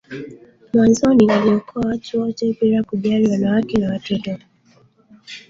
mwanzoni waliokoa watu wote bila kujali wanawake na watoto